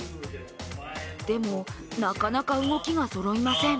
でも、なかなか動きがそろいません